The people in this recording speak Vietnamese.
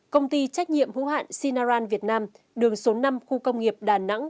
công ty trách nhiệm hữu hạn sinaran việt nam đường số năm khu công nghiệp đà nẵng